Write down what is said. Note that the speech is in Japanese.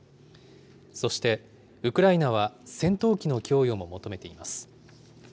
そして、ウクライナは戦闘機の供与も求めています。